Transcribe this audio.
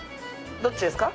どっちですか？